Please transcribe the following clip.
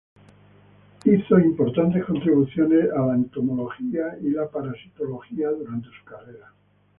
Hizo importantes contribuciones a la entomología y la parasitología durante su carrera.